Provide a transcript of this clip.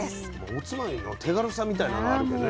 おつまみの手軽さみたいなのあるけどね。